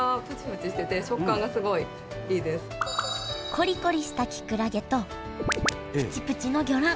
コリコリしたきくらげとプチプチの魚卵。